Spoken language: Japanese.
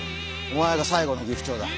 お前が最後のギフチョウだ。